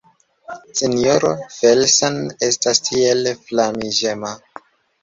Sinjoro Felsen estas tiel flamiĝema.